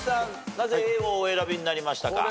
なぜＡをお選びになりましたか？